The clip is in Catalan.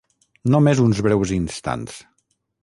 Només uns breus instants.